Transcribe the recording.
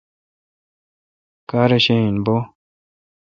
کار ے شہ این بو۔